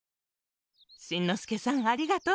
しんのすけさんありがとう。